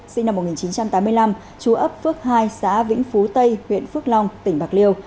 sinh năm một nghìn chín trăm tám mươi năm chú ấp phước hai xã vĩnh phú tây huyện phước long tỉnh bạc liêu